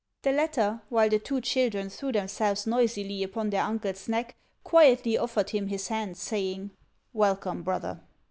The latter, while the two children threw themselves noisily upon their uncle's neck, quietly offered him his hand, saying,— " Welcome, brother."